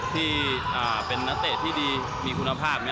ที่เป็นนักเตะที่ดีมีคุณภาพ